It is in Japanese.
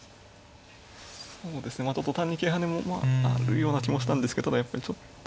そうですね単に桂跳ねもまああるような気もしたんですけどただやっぱりちょっと。